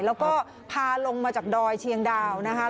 แล้วก็พาลงมาจากดอยเชียงดาวนะคะ